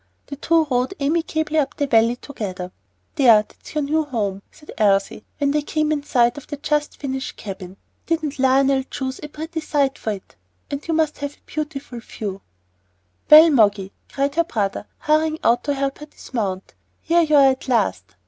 The two rode amicably up the valley together. "There, that's your new home," said Elsie, when they came in sight of the just finished cabin. "Didn't Lionel choose a pretty site for it? And you have a most beautiful view." "Well, Moggy," cried her brother, hurrying out to help her dismount, "here you are at last.